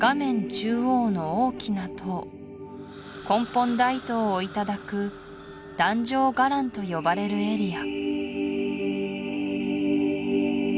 中央の大きな塔根本大塔をいただく壇上伽藍と呼ばれるエリア